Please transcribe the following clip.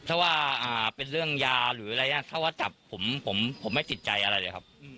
ถ้าว่าอ่าเป็นเรื่องยาหรืออะไรน่ะเขาว่าจับผมผมผมไม่ติดใจอะไรเลยครับ